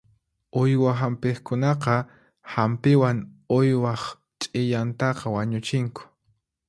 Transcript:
Uywa hampiqkunaqa hampiwan uywaq ch'iyantaqa wañuchinku.